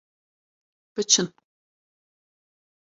Biçin!